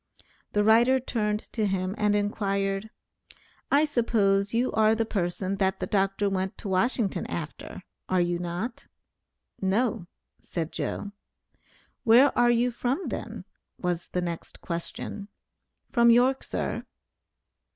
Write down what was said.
The writer turned to him and inquired, "I suppose you are the person that the Dr. went to Washington after, are you not?" "No," said "Joe." "Where are you from then?" was the next question. "From York, sir."